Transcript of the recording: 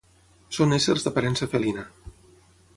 Són éssers d'aparença felina.